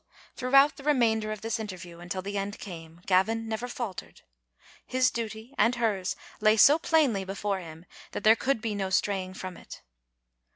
Throughout the remainder of this interview until the end came, Gavin never faltered. His duty and hers lay so plainly before him that there could be no straying from it.